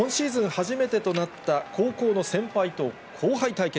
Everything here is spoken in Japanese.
初めてとなった高校の先輩と後輩対決。